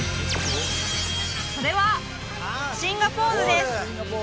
それはシンガポールです